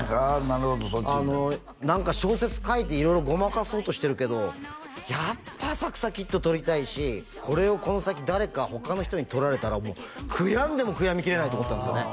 なるほどそっちいった何か小説書いて色々ごまかそうとしてるけどやっぱ「浅草キッド」撮りたいしこれをこの先誰か他の人に撮られたら悔やんでも悔やみきれないと思ったんですよね